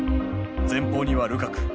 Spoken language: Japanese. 前方にはルカク。